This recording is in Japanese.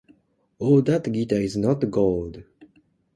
“All that glitters is not gold.”